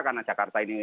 karena jakarta ini